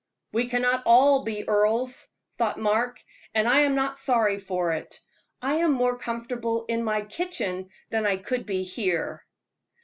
"We cannot all be earls," thought Mark, "and I am not sorry for it. I am more comfortable in my kitchen than I could be here."